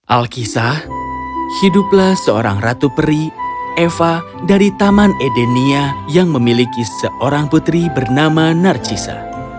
alkisah hiduplah seorang ratu peri eva dari taman edenia yang memiliki seorang putri bernama narcisa